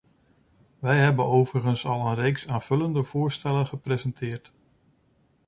Wij hebben overigens al een reeks aanvullende voorstellen gepresenteerd.